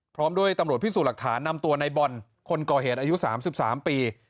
พร้อมด้วยตำรวจพิสูจน์หลักฐานนำตัวในบอลคนก่อเหตุอายุ๓๓ปี